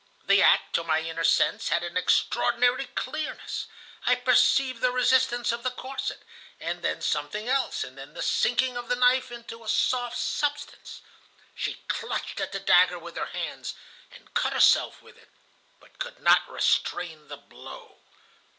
The act, to my inner sense, had an extraordinary clearness. I perceived the resistance of the corset and then something else, and then the sinking of the knife into a soft substance. She clutched at the dagger with her hands, and cut herself with it, but could not restrain the blow.